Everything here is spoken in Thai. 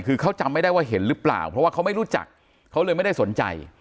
คือเขาจำไม่ได้ว่าเห็นหรือเปล่าเพราะว่าเขาไม่รู้จักเขาเลยไม่ได้สนใจ